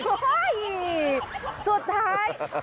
เฮ้ยสุดท้าย